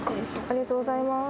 ありがとうございます。